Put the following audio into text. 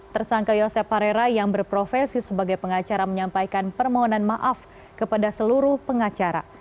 tersangka yosep parera yang berprofesi sebagai pengacara menyampaikan permohonan maaf kepada seluruh pengacara